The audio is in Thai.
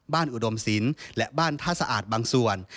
อุดมศิลป์และบ้านท่าสะอาดบางส่วน